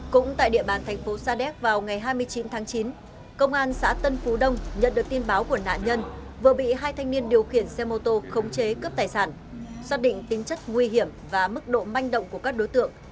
cũng tại địa bàn thành phố sa đéc vào ngày hai mươi chín tháng chín công an xã tân phú đông nhận được tin báo của nạn nhân vừa bị hai thanh niên điều khiển xe mô tô khống chế cướp tài sản xác định tính chất nguy hiểm và mức độ manh động của các đối tượng